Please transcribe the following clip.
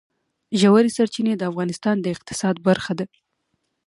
ژورې سرچینې د افغانستان د اقتصاد برخه ده.